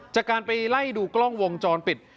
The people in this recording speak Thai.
จากการไปไล่ดูกล้องวงจรปิด